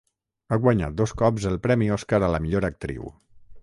Ha guanyat dos cops el Premi Oscar a la millor actriu.